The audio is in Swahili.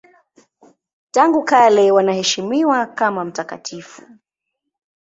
Tangu kale wanaheshimiwa kama mtakatifu.